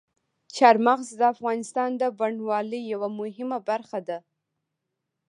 چار مغز د افغانستان د بڼوالۍ یوه مهمه برخه ده.